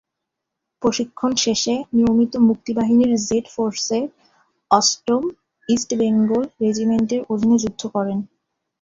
প্রশিক্ষণ শেষে নিয়মিত মুক্তিবাহিনীর জেড ফোর্সের অষ্টম ইস্ট বেঙ্গল রেজিমেন্টের অধীনে যুদ্ধ করেন।